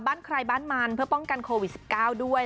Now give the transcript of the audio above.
บ้านใครบ้านมันเพื่อป้องกันโควิด๑๙ด้วย